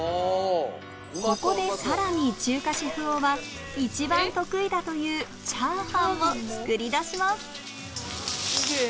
ここでさらに中華シェフ男は一番得意だというチャーハンを作りだしますゲー